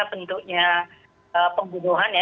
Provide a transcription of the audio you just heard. bentuknya pembunuhan ya